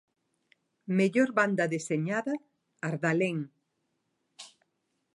Mellor banda deseñada: Ardalén.